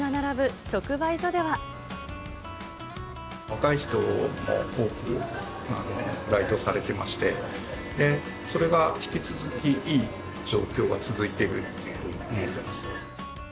若い人も多く来島されてまして、それが引き続きいい状況が続いているというふうに思っています。